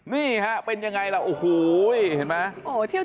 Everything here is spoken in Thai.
นี่ฮะเป็นยังไงล่ะโอ้โหเห็นไหม